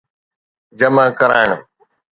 جمع ڪرائڻ